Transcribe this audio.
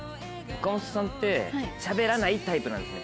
岡本さんってしゃべらないタイプなんですね。